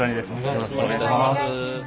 よろしくお願いします。